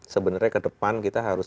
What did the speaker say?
sebenarnya ke depan kita harus